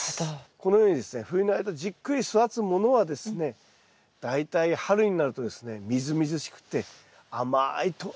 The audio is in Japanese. このようにですね冬の間じっくり育つものはですね大体春になるとですねみずみずしくて甘いカブができるんですよ。